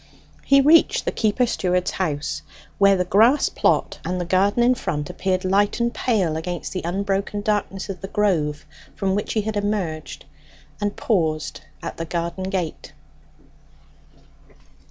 He reached the keeper steward's house, where the grass plot and the garden in front appeared light and pale against the unbroken darkness of the grove from which he had emerged, and paused at the garden gate.